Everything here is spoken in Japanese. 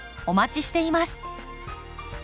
お待ちしています。